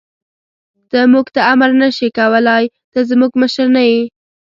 ته موږ ته امر نه شې کولای، ته زموږ مشر نه یې.